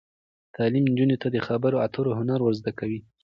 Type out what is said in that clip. تعلیم نجونو ته د خبرو اترو هنر ور زده کوي.